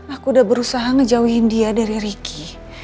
aku udah berusaha ngejauhin dia dari ricky